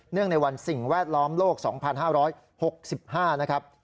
ในวันสิ่งแวดล้อมโลก๒๕๖๕นะครับ